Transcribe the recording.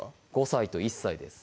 ５歳と１歳です